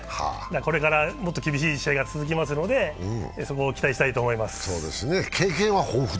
これからもっと厳しい試合が続きますので、そこを期待したいと思います。